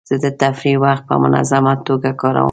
زه د تفریح وخت په منظمه توګه کاروم.